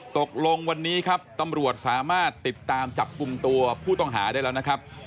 ตกลงวันนี้ครับตำรวจสามารถติดตามจับกลุ่มตัวผู้ต้องหาได้แล้วนะครับ